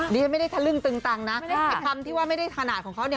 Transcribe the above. ดิฉันไม่ได้ทะลึ่งตึงตังนะไอ้คำที่ว่าไม่ได้ถนัดของเขาเนี่ย